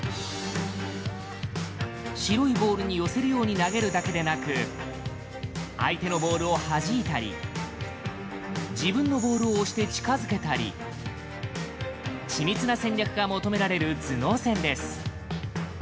白いボールに寄せるように投げるだけでなく相手のボールをはじいたり自分のボールを押して近づけたり緻密な戦略が求められる頭脳戦です。